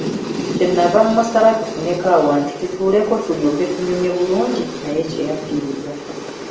Kye nava mmusaba tufuneko awantu tutuuleko tulyoke tunyumye bulungi naye kye yakkiriza.